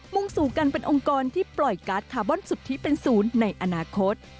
งสู่กันเป็นองค์กรที่ปล่อยการ์ดคาร์บอนสุทธิเป็นศูนย์ในอนาคต